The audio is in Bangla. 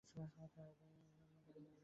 আর শেষমেষ, স্বপগুলো তাকে কিছু কাজ করতে বলে।